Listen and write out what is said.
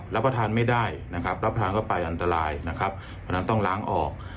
รับประทานไม่ได้รับประทานก็ไปอันตรายเพราะฉะนั้นต้องล้างออก